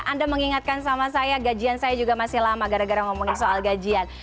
anda mengingatkan sama saya gajian saya juga masih lama gara gara ngomongin soal gajian